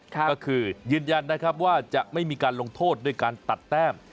ก็คือยืนยันนะครับว่าจะไม่มีการลงโทษด้วยการตัดแต้ม